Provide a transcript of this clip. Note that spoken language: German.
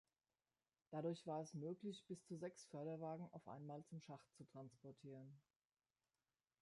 Dadurch war es möglich, bis zu sechs Förderwagen auf einmal zum Schacht zu transportieren.